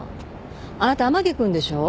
あなた天樹君でしょ？